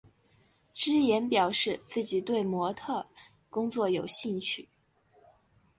芝妍表示自己对模特儿工作有兴趣。